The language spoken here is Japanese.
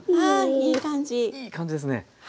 いい感じですね！